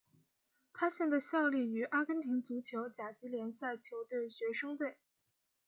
他现在效力于阿根廷足球甲级联赛球队学生队。